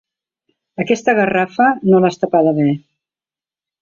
Aquesta garrafa, no l'has tapada bé.